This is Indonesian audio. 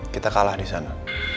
kita kalah disana